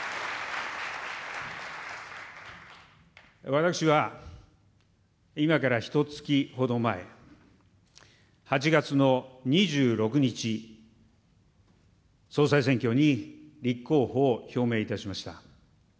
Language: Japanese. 私は今からひとつきほど前、８月の２６日、総裁選挙に立候補を表明いたしました。